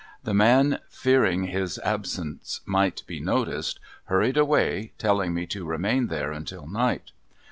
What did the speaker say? The man, fearing his absence might be noticed, hurried away, telling me to remain there until night.